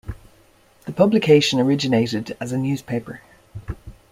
The publication originated as a newspaper.